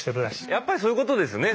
やっぱりそういうことですよね。